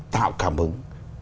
tạo cảm hứng